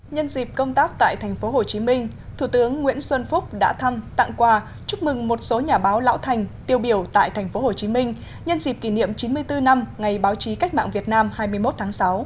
nhân dịp công tác tại tp hcm thủ tướng nguyễn xuân phúc đã thăm tặng quà chúc mừng một số nhà báo lão thành tiêu biểu tại tp hcm nhân dịp kỷ niệm chín mươi bốn năm ngày báo chí cách mạng việt nam hai mươi một tháng sáu